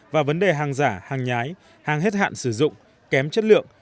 và vấn đề hàng giả hàng nhái hàng hết hạn sử dụng kém chất lượng